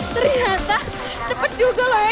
ternyata cepet juga loh ya